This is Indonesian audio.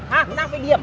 hah nggak mau diam